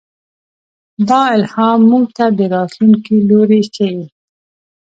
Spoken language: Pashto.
دا الهام موږ ته د راتلونکي لوری ښيي.